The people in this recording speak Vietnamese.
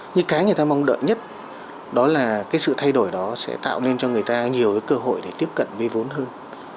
nhưng cái người ta mong đợi nhất đó là cái sự thay đổi đó sẽ tạo nên cho người ta nhiều cái cơ hội để tiếp cận với vốn hơn